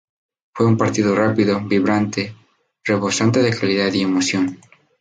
Fue un partido rápido, vibrante, rebosante de calidad y emoción.